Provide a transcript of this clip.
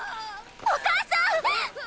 お母さん！